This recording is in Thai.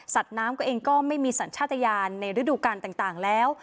น้ำก็เองก็ไม่มีสัญชาติยานในฤดูการต่างแล้ว